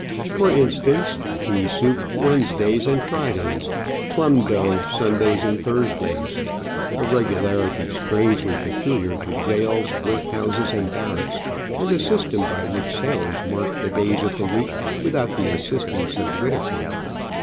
For instance, pea soup Wednesdays and Fridays, plum dough Sundays and Thursdays, a regularity strangely peculiar to gaols, workhouses, and barracks, and a system by which sailors mark the days of the week without the assistance of Whitaker.